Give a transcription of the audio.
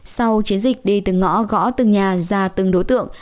sau chiến dịch đi từ ngõ gõ từng nhà ra từng đối tượng